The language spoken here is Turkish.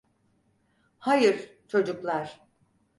Hayır, çocuklar.